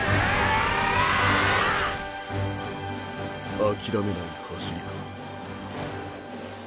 諦めない走りか。